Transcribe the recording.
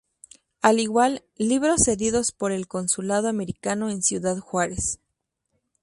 Al igual, libros cedidos por el Consulado Americano en Ciudad Juárez.